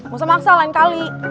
gak usah maksa lain kali